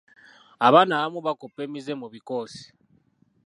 Abaana abamu bakoppa emize mu bikoosi.